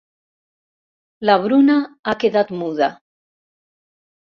La Bruna ha quedat muda.